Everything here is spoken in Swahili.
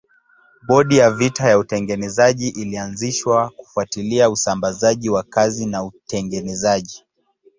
Bodi ya vita ya utengenezaji ilianzishwa kufuatilia usambazaji wa kazi na utengenezaji.